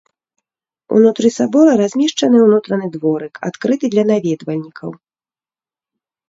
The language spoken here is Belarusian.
Унутры сабора размешчаны ўнутраны дворык, адкрыты для наведвальнікаў.